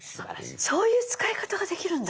そういう使い方ができるんだ！